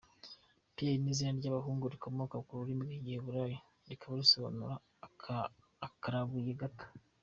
Pierre ni izina ry’abahungu rikomoka ku rurimi rw’Igiheburayi rikaba risobanura “Aklabuye gato”.